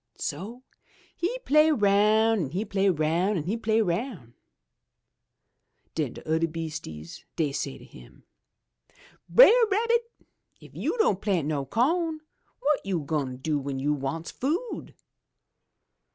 So he play roun' an' he play roun' an' he play roun'. Den de udder beastises dey say to him, 'Brer Rabbit, if you don' plant no co'n, wot you gwine do w'en you wants food?'